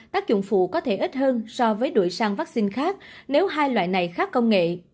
tác dụng phụ có thể ít hơn so với đuổi sang vaccine khác nếu hai loại này khác công nghệ